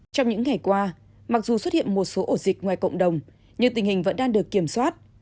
trong những ngày qua mặc dù xuất hiện một số ổ dịch ngoài cộng đồng nhưng tình hình vẫn đang được kiểm soát